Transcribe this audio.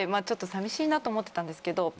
ちょっと寂しいなと思ってたんですけど。